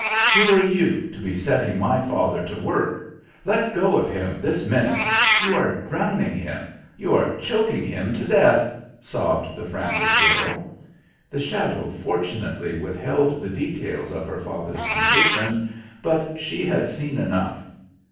"Who are you, to be setting my father to work? Let go of him this minute! You are drowning him; you are choking him to death!" sobbed the frantic girl. The shadow fortunately withheld the details of her father's condition, but she had seen enough.